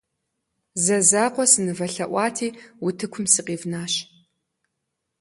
Зэ закъуэ сынывэлъэӀуати, утыкум сыкъивнащ.